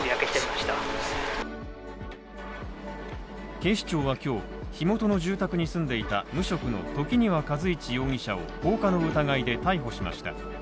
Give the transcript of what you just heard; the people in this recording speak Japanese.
警視庁は今日、火元の住宅に住んでいた無職の時庭和一容疑者を放火の疑いで逮捕しました。